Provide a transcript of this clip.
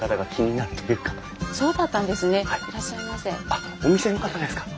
あっお店の方ですか？